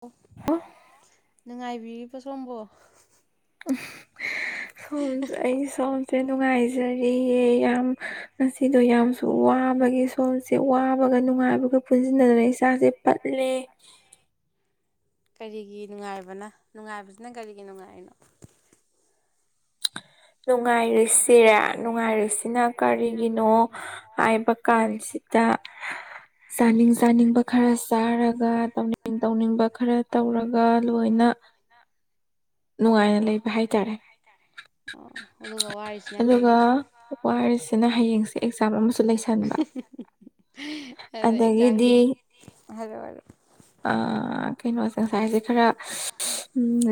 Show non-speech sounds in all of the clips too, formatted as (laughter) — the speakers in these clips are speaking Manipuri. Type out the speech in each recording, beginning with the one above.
ꯍꯜꯂꯣ ꯅꯨꯡꯉꯥꯏꯕꯤꯔꯤꯕꯣ ꯁꯣꯝꯕꯨ ꯎ (unintelligible) ꯁꯣꯝ ꯑꯩ ꯁꯣꯝꯁꯦ ꯅꯨꯡꯉꯥꯏꯖꯔꯤꯑꯦ ꯌꯥꯝ ꯁꯤꯗꯣ ꯌꯥꯝꯁꯨ ꯋꯥꯕꯒꯤ ꯁꯣꯝꯁꯦ ꯋꯥꯕꯒ ꯅꯨꯡꯉꯥꯏꯕꯒ ꯄꯨꯟꯁꯤꯟꯅꯔꯦ ꯏꯆꯥꯥꯁꯦ ꯄꯠꯂꯦ ꯀꯔꯤꯒꯤ ꯅꯨꯡꯉꯥꯏꯕꯅ ꯅꯨꯡꯉꯥꯏꯕꯁꯤꯅ ꯀꯔꯤꯒꯤ ꯅꯨꯡꯉꯥꯏꯔꯤꯅꯣ ꯅꯨꯡꯉꯥꯏꯔꯤꯁꯤꯔꯣ ꯅꯨꯡꯉꯥꯏꯔꯤꯁꯤꯅ ꯀꯔꯤꯒꯤꯅꯣ ꯍꯥꯏꯕ ꯀꯥꯟꯁꯤ ꯆꯥꯅꯤꯡ ꯆꯥꯅꯤꯡꯕ ꯈꯔ ꯆꯥꯔꯒ ꯇꯧꯅꯤꯡ ꯇꯧꯅꯤꯡꯕ ꯈꯔ ꯇꯧꯔꯒ ꯂꯣꯏꯅ ꯅ (inaudible) ꯅꯨꯡꯉꯥꯏꯅ ꯂꯩꯕ ꯍꯥꯏꯇꯥꯔꯦ ꯑꯣ (inaudible) ꯋꯥꯔꯤꯁꯤꯅ ꯑꯗꯨꯒ ꯀꯩꯒꯤ ꯋꯥꯔꯤꯁꯤꯅ ꯍꯌꯦꯡꯁꯦ ꯑꯦꯛꯖꯥꯝ ꯑꯃꯁꯨ ꯂꯩꯁꯤꯟꯕ ꯑꯦꯛꯖꯥꯝꯒꯤ ꯍꯥꯏꯔꯛꯑꯣ ꯍꯥꯢꯔꯛꯑꯣ ꯀꯩꯅꯣꯁꯦ ꯉꯁꯥꯏꯁꯦ ꯈꯔ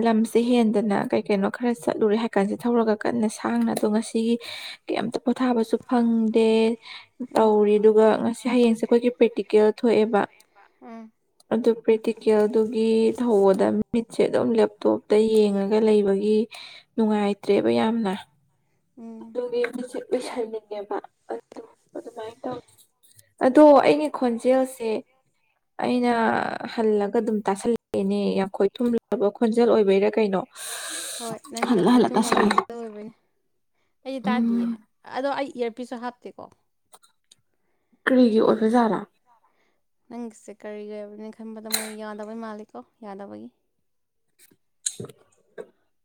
ꯂꯝꯁ ꯍꯦꯟꯗꯅ ꯀꯩ ꯀꯩꯅꯣ ꯈꯔ ꯆꯠꯂꯨꯔꯦ ꯍꯥꯏ ꯀꯥꯟꯁꯦ ꯊꯧꯔꯒ ꯀꯟꯅ ꯁꯥꯡꯅ ꯑꯗꯣ ꯉꯁꯤꯒꯤ ꯀꯩꯝꯇ ꯄꯣꯊꯥꯕꯁꯨ ꯐꯪꯗꯦ ꯎꯝ ꯇꯧꯔꯤ ꯑꯗꯨꯒ ꯉꯁꯤ ꯍꯌꯦꯡꯁꯦ ꯑꯩꯈꯣꯏꯒꯤ ꯄ꯭ꯔꯦꯛꯇꯤꯀꯦꯜ ꯊꯣꯛꯑꯦꯕ ꯎꯝ ꯑꯗꯨ ꯄ꯭ꯔꯦꯛꯇꯤꯀꯦꯜꯗꯨꯒꯤ ꯊꯧꯑꯣꯗ ꯃꯤꯠꯁꯦ ꯑꯗꯨꯝ ꯂꯦꯞꯇꯣꯞ ꯌꯦꯡꯒ ꯂꯩꯕꯒꯤ ꯅꯨꯡꯉꯥꯏ ꯂꯩꯠꯇ꯭ꯔꯦꯕ ꯌꯥꯝꯅ ꯎꯝ ꯑꯗꯨꯒꯤ ꯃꯤꯠꯁꯦ ꯎꯨꯢꯁꯟꯅꯤꯡꯉꯦꯕ ꯑꯗꯨꯃꯥꯏꯅ ꯇꯧꯋꯤ ꯑꯗꯣ ꯑꯩꯒꯤ ꯈꯣꯟꯖꯦꯜꯁꯦ ꯑꯩꯅ ꯍꯜꯂꯒ ꯑꯗꯨꯝ ꯇꯥꯁꯜꯂ ꯑꯦꯅꯤ ꯌꯥꯝ ꯈꯣꯏꯊꯨꯝꯂꯕ ꯈꯣꯟꯖꯦꯜ ꯑꯣꯏ ꯍꯣꯏ ꯅꯪꯗ ꯑꯩꯈꯣꯏ ꯍꯜꯂ ꯆꯨꯝꯅꯕ ꯇꯥꯁꯜꯂꯦ ꯍꯣꯠꯖ ꯑꯣꯏꯕꯅꯤ ꯑꯩ ꯇꯥꯗꯤꯌꯦ ꯎꯝ ꯑꯗꯣ ꯑꯩ ꯏꯌꯥꯔꯄꯤꯁꯁꯨ ꯍꯥꯞꯇꯦꯀꯣ ꯀꯔꯤꯒꯤ ꯑꯣꯏꯕꯖꯥꯠꯔꯥ ꯅꯪꯒꯤꯁꯦ ꯀꯔꯤꯒꯤ ꯑꯣꯏꯕꯅ ꯈꯟꯕꯗ ꯃꯣꯏ ꯌꯥꯗꯕꯩ ꯃꯥꯂꯦꯀꯣ ꯌꯥꯗꯕꯒꯤ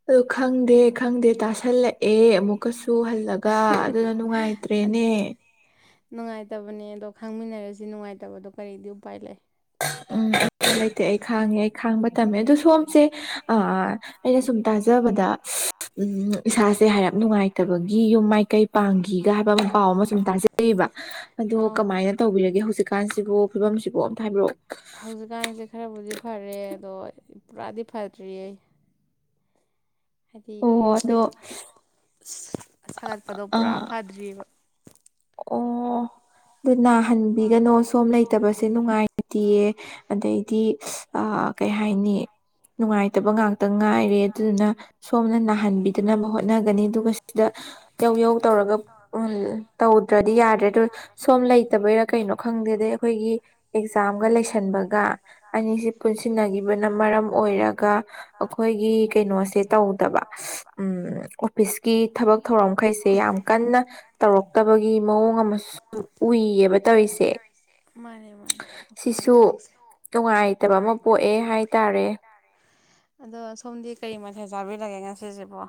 ꯑꯗꯨ ꯈꯪꯗꯦ ꯈꯪꯗꯦ ꯇꯥꯁꯜꯂꯛꯑꯦ ꯑꯃꯨꯛ ꯀꯁꯨ ꯍꯜꯂꯒ ꯑꯗꯨꯅ ꯅꯨꯡꯉꯥꯏꯇ꯭ꯔꯦꯅꯦ ꯅꯨꯡꯉꯥꯏꯇꯕꯅꯦ ꯑꯗꯣ ꯈꯥꯡꯃꯤꯟꯅꯔꯁꯤ ꯅꯨꯡꯉꯥꯏꯇꯕꯗꯣ ꯀꯔꯤꯗꯤ ꯎꯄꯥꯏ ꯂꯩ ꯎꯝ ꯂꯩꯇꯦ ꯑꯩ ꯈꯥꯡꯉꯦ ꯑꯩ ꯈꯥꯡꯕ ꯇꯝꯃꯦ ꯑꯗꯣ ꯁꯣꯝꯁꯦ ꯑꯩꯅ ꯁꯨꯝ ꯇꯥꯖꯕꯗ ꯗ ꯎꯝ ꯏꯁꯥꯁꯦ ꯍꯥꯏꯔꯞ ꯅꯨꯡꯉꯥꯏꯇꯕꯒꯤ ꯌꯨꯝ ꯃꯥꯏꯀꯩ ꯄꯥꯡꯈꯤꯒ ꯍꯥꯏꯕ ꯑꯃ ꯄꯥꯎ ꯑꯃ ꯁꯨꯝ ꯇꯥꯖꯕ ꯑꯗꯣ ꯑꯧ ꯀꯃꯥꯏꯅ ꯇꯧꯕꯤꯔꯒꯦ ꯍꯧꯖꯤꯛꯀꯥꯟꯁꯤꯕꯨ ꯐꯤꯕꯝꯁꯤꯕꯨ ꯑꯝꯇ ꯍꯥꯏꯕꯤꯔꯛꯑꯣ ꯍꯧꯖꯤꯛꯀꯥꯟꯁꯦ ꯈꯔꯕꯨꯗꯤ ꯐꯔꯦ ꯑꯗꯣ ꯄꯨꯔꯥꯗꯤ ꯐꯗ꯭ꯔꯤꯌꯦ ꯍꯥꯏꯗꯤ ꯑꯣ ꯑꯗꯣ ꯁꯥꯒꯠꯄꯗꯣ ꯑ ꯄꯨꯔꯥ ꯐꯗ꯭ꯑꯔꯤꯕ ꯑꯣ ꯑꯗꯨ ꯅꯥꯍꯟꯕꯤꯒꯅꯣ ꯁꯣꯝ ꯂꯩꯇꯕꯁꯦ ꯅꯨꯡꯉꯥꯏꯇꯌꯦ ꯑꯗꯩꯗꯤ ꯀꯩ ꯍꯥꯏꯥꯏꯅꯤ ꯅꯨꯡꯉꯥꯏꯇꯕ ꯉꯥꯛꯇ ꯉꯥꯏꯔꯦ ꯑꯗꯨꯗꯨꯅ ꯁꯣꯝꯅ ꯅꯥꯍꯟꯕꯤꯗꯅꯕ ꯍꯣꯠꯅꯒꯅꯤ ꯑꯗꯨꯒ ꯁꯤꯗ ꯌꯧ ꯌꯧ ꯇꯧꯔꯒ ꯇꯧꯗ꯭ꯔꯗꯤ ꯌꯥꯗ꯭ꯔꯦ ꯑꯗꯨ ꯁꯣꯝ ꯂꯩ ꯂꯩꯠꯇꯕꯩꯔꯥ ꯀꯩꯅꯣ ꯈꯪꯗꯦ ꯑꯗꯩ ꯑꯩꯈꯣꯏꯒꯤ ꯑꯦꯛꯖꯥꯝꯒ ꯂꯩꯁꯟꯕꯒ ꯑꯅꯤ ꯑꯩꯁꯤ ꯄꯨꯟꯁꯤꯟꯅꯈꯤꯕꯅ ꯃꯔꯝ ꯑꯣꯏꯔꯒ ꯑꯩꯈꯣꯏꯒꯤ ꯀꯩꯅꯣꯁꯦ ꯇꯧꯗꯕ ꯎ ꯑꯣꯐꯤꯁꯀꯤ ꯊꯕꯛ ꯊꯧꯔꯝꯈꯩꯁꯦ ꯌꯥꯝ ꯀꯟꯅ ꯇꯧꯔꯛꯇꯕꯒꯤ ꯃꯑꯣꯡ ꯑꯃꯁꯨ ꯎꯏꯌꯦꯕ ꯇꯧꯔꯤꯁꯦ ꯃꯥꯅꯦ ꯃꯥꯅꯦ ꯑꯣꯐꯤꯁꯀꯤ ꯁꯤꯁꯨ ꯊꯕꯛꯁꯦ ꯅꯨꯡꯉꯥꯏꯇꯕ ꯑꯃ ꯄꯣꯛꯑꯦ ꯍꯥꯏꯇꯥꯔꯦ ꯑꯗꯣ ꯁꯣꯝꯗꯤ ꯀꯔꯤ ꯃꯊꯦꯜ ꯆꯥꯕꯤꯔꯒꯦ ꯉꯁꯤꯁꯤꯕꯣ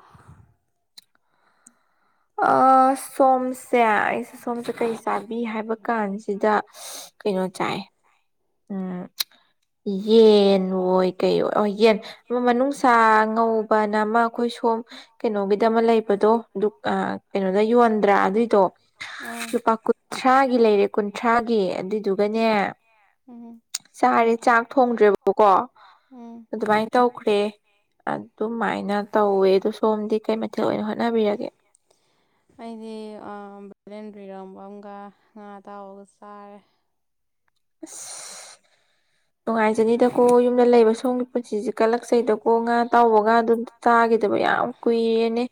ꯑ ꯁꯣꯝꯁꯦ ꯑꯩꯁꯦ ꯁꯣꯝꯁꯦ ꯀꯩꯁꯦ ꯆꯥꯕꯤ ꯍꯥꯏꯕ ꯀꯥꯟꯁꯤꯗ ꯀꯩꯅꯣ ꯆꯥꯏ ꯎꯝ ꯌꯦꯟ ꯑꯣꯏ ꯀꯩ ꯌꯦꯟ ꯑꯃ ꯃꯅꯨꯡ ꯆꯥ ꯉꯧꯕꯅ ꯑꯃ ꯑꯩꯈꯣꯏ ꯁꯣꯝ ꯀꯩꯅꯣꯒꯤꯗ ꯑꯃ ꯂꯩꯕꯗꯣ ꯀꯩꯅꯣꯗ ꯌꯣꯟꯗ꯭ꯔꯥ ꯑꯗꯨꯏꯗꯣ ꯎꯝ ꯂꯨꯄꯥ ꯀꯨꯟꯊ꯭ꯔꯥꯒꯤ ꯂꯩꯔꯦ ꯀꯨꯟꯊ꯭ꯔꯥꯒꯤ ꯑꯗꯨꯏꯗꯨꯒꯅꯦ ꯎꯝ ꯎꯝ ꯆꯥꯔꯦ ꯆꯥꯛ ꯊꯣꯡꯗ꯭ꯔꯦꯕꯀꯣ ꯎꯝ ꯑꯗꯨꯃꯥꯏꯅ ꯇꯧꯈ꯭ꯔꯦ ꯑꯗꯨꯃꯥꯏꯅ ꯇꯧꯋꯦ ꯑꯗ ꯁꯣꯝꯗꯤ ꯀꯩ ꯃꯊꯦꯜ ꯑꯣꯏꯅ ꯍꯣꯠꯅꯕꯤꯔꯒꯦ ꯑꯩꯗꯤ ꯚꯦꯂꯦꯟꯗꯔꯤꯔꯝꯕ ꯑꯃꯒ ꯉꯥ ꯇꯥꯎꯔꯒ ꯆꯥꯔꯦ ꯑ ꯅꯨꯡꯉꯥꯏꯖꯅꯤꯗꯀꯣ ꯌꯨꯝꯗ ꯂꯩꯕ ꯁꯣꯝꯒꯤ ꯄꯨꯟꯁꯤꯁꯤ ꯀꯠꯂꯛꯆꯩꯗꯀꯣ ꯉꯥ ꯇꯥꯎꯕ ꯉꯥ ꯑꯗꯨꯝ ꯇꯥꯈꯤꯗꯕ ꯌꯥꯝ ꯀꯨꯏꯔꯅꯦ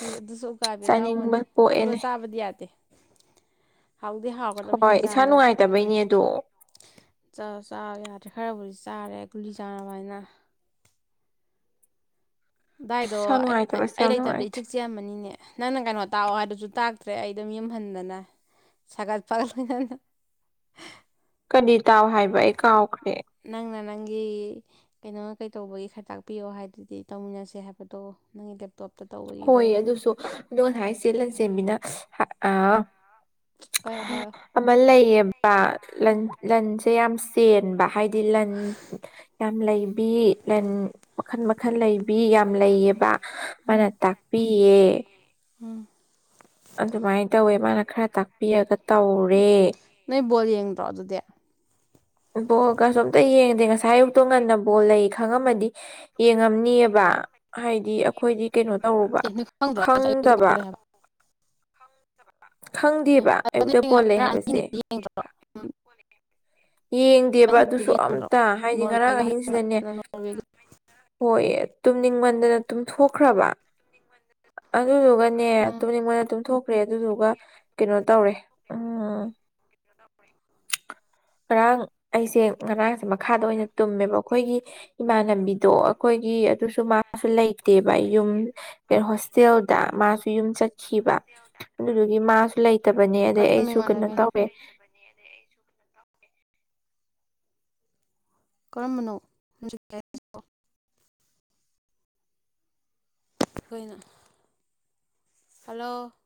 ꯑꯩꯏ ꯑꯗꯨꯁꯨ ꯎꯀꯥꯏꯕꯦ ꯇꯥꯎꯕꯅꯤ ꯄꯣꯛꯑꯦꯅꯦ ꯂ ꯕꯗꯤ ꯌꯥꯗ ꯍꯥꯎꯗꯤ ꯍꯥꯎ ꯍꯣꯏ ꯏꯁꯥ ꯅꯨꯡꯉꯥꯏꯇꯕꯩꯅꯦ ꯑꯗꯣ ꯆ ꯌꯥꯗ꯭ꯔꯦ ꯈꯔꯕꯨꯗꯤ ꯆꯥꯔꯦ ꯒꯨꯂꯤ ꯆꯥꯅꯕ ꯍꯥꯏꯅ ꯗꯥꯏꯗꯣ ꯏꯁꯥ ꯑꯩ ꯅꯨꯡꯉꯥꯏꯇꯕꯁꯦ ꯑꯩ ꯌꯥꯝ ꯅꯨꯡꯉꯥꯏꯇꯦ ꯂꯩꯇꯕꯗꯤ ꯆꯦꯃꯅꯤꯅꯦ ꯅꯪꯅ ꯀꯩꯅꯣ ꯇꯥꯛꯑꯣ ꯍꯥꯏꯗꯨꯁꯨ ꯇꯥꯛꯇ꯭ꯔꯦ ꯑꯩ ꯑꯗꯨꯝ ꯌꯨꯝꯍꯟꯗꯅ ꯁꯒꯜ ꯄꯒꯂꯒꯥꯟ ꯀꯔꯤ ꯇꯥꯎ ꯍꯥꯏꯕ ꯑꯩ ꯀꯥꯎꯈ꯭ꯔꯦ ꯅꯪꯅ ꯅꯪꯒꯤ ꯀꯩꯅꯣ ꯀꯩ ꯇꯧꯕꯒꯤ ꯈꯔ ꯇꯥꯛꯄꯤꯌꯣ ꯍꯥꯏꯗꯨꯗꯤ ꯇꯧꯃꯤꯟꯅꯁꯦ ꯍꯥꯏꯕꯗꯣ ꯅꯪꯒꯤ ꯂꯦꯞ ꯇꯣꯞꯇ ꯇꯧꯕ ꯍꯣꯏ ꯑꯗꯨꯁꯨ ꯑꯗꯣ ꯉꯁꯥꯏ ꯆꯦ ꯂꯟꯆꯦꯟꯕꯤꯅ ꯍꯥꯏ ꯑ ꯍꯣꯏ ꯍꯥꯏꯔꯛꯑꯣ ꯑꯃ ꯂꯩꯌꯦꯕꯟ ꯂꯟ ꯎꯝ ꯂꯟꯁꯦ ꯌꯥꯝ ꯆꯦꯟꯕ ꯍꯥꯏꯗꯤ ꯂꯟ ꯌꯥꯝ ꯂꯩꯕꯤ ꯂꯟ ꯃꯈꯟ ꯃꯈꯜ ꯂꯩꯕꯤ ꯌꯥꯝ ꯂꯩꯌꯦꯕ ꯎꯝ ꯃꯥꯅ ꯇꯥꯛꯄꯤꯌꯦ ꯎꯝ ꯑꯗꯨꯃꯥꯏꯟ ꯇꯧꯋꯦ ꯃꯥꯅ ꯈꯔ ꯇꯥꯛꯄꯤꯔꯒ ꯇꯧꯔꯦ ꯅꯣꯏ ꯕꯣꯜ ꯌꯦꯡꯗ꯭ꯔꯣ ꯑꯗꯨꯗꯤ ꯕꯣꯜꯒꯁꯨ ꯑꯝꯇ ꯌꯦꯡꯗꯦ ꯉꯁꯥꯏ ꯑꯌꯨꯛꯇꯣ ꯉꯟꯅ ꯕꯣꯜ ꯂꯩ ꯈꯪꯉꯝꯃꯗꯤ ꯌꯦꯡꯉꯝꯅꯤꯌꯦꯕ ꯍꯥꯏꯗꯤ ꯑꯩꯈꯣꯏꯗꯤ ꯀꯩꯅꯣ ꯇꯧꯔꯨꯕ ꯑꯦ ꯅꯣꯏ ꯈꯪꯗ꯭ꯔꯣ ꯑꯁ ꯑꯌꯨꯛꯇ ꯈꯪꯗꯕ ꯕꯣꯜ ꯂꯩ (unintelligible) ꯑꯦ ꯈꯪꯗꯦꯕ ꯑꯗꯨꯗꯤ ꯑꯌꯨꯛꯇ ꯄꯣꯜꯂꯩ ꯉꯔꯥꯡ ꯍꯥꯏꯕꯁꯦ (unintelligible) ꯌꯦꯡꯗꯦꯕ ꯑꯍꯤꯡꯒꯤꯗꯤ ꯑꯗꯨꯁꯨ ꯌꯦꯡꯗ꯭ꯔꯣ ꯑꯝꯇ ꯍꯥꯏꯗꯤ ꯉꯔꯥꯡ ꯅꯣꯔꯋꯦꯒ ꯑꯍꯤꯡꯁꯤꯅꯅꯦ ꯍꯣꯂꯦꯟꯒ ꯅꯣꯔꯋꯦꯒꯤ ꯍꯣꯏ ꯇꯨꯝꯅꯤꯡꯃꯟꯗꯅ ꯇꯨꯝꯊꯣꯛꯈ꯭ꯔꯕ ꯑꯗꯨꯗꯨꯒꯅꯦ ꯎꯝ ꯇꯨꯝꯅꯤꯡꯃꯟꯅꯗ ꯇꯨꯝꯊꯣꯛꯈ꯭ꯔꯦ ꯑꯗꯨꯗꯨꯒ ꯀꯩꯅꯣ ꯇꯧꯔꯦ ꯎꯝ ꯉꯔꯥꯡ ꯑꯩꯁꯦ ꯉꯔꯥꯡꯁꯦ ꯃꯈꯥꯗ ꯑꯣꯏꯅ ꯇꯨꯝꯃꯦꯕ ꯑꯩꯈꯣꯏꯒꯤ ꯏꯃꯥꯟꯅꯕꯤꯗꯣ ꯑꯩꯈꯣꯏꯒꯤ ꯑꯗꯨꯁꯨ ꯃꯥꯁꯨ ꯂꯩꯇꯦꯕ ꯌꯨꯝ ꯏꯌꯔꯍꯣꯁꯇꯦꯜꯗ ꯃꯥꯁꯨ ꯌꯨꯝ ꯆꯠꯈꯤꯕ ꯑꯗꯨꯗꯨꯒꯤ ꯃꯥꯁꯨ ꯂꯩꯇꯕꯅꯦ ꯑꯗꯩ ꯀꯔꯝꯕ ꯑꯩꯁꯨ ꯀꯩꯅꯣ ꯏꯃꯥꯟꯅꯕꯤ ꯇꯧꯔꯦ (unintelligible) (unintelligible) ꯀꯩꯅꯣ ꯍꯜꯂꯣ